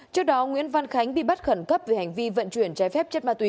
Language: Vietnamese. trước đó nguyễn văn khánh bị bắt khẩn cấp về hành vi vận chuyển trái phép chất ma túy